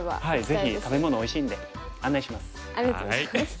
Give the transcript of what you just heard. ぜひ食べ物おいしいんで案内します。